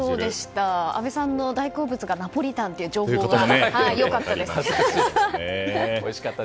阿部さんの大好物がナポリタンという情報が恥ずかしい。